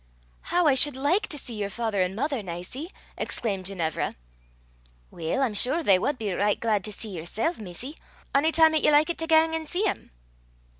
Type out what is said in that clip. "How I should like to see your father and mother, Nicie!" exclaimed Ginevra. "Weel, I'm sure they wad be richt glaid to see yersel', missie, ony time 'at ye likit to gang an' see them."